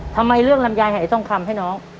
ทำไมเรื่องลำยายหายทองคำให้น้อง